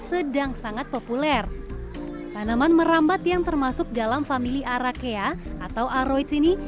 sedang sangat populer tanaman merambat yang termasuk dalam family arakea atau aroid sini